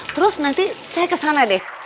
terus nanti saya ke sana deh